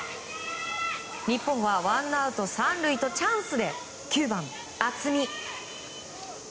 日本はワンアウト３塁とチャンスで９番、渥美。